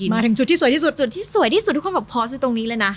มาถึงจุดที่สวยที่สุดจุดที่สวยที่สุดทุกคนบอกพอสอยู่ตรงนี้เลยนะ